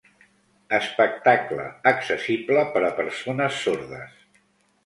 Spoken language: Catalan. Espectacle accessible per a persones sordes.